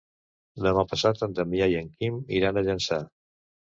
Demà passat en Damià i en Quim iran a Llançà.